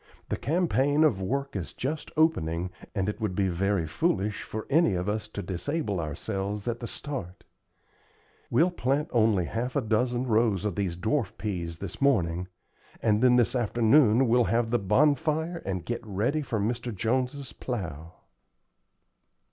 The campaign of work is just opening, and it would be very foolish for any of us to disable ourselves at the start. We'll plant only half a dozen rows of these dwarf peas this morning, and then this afternoon we'll have the bonfire and get ready for Mr. Jones's plow."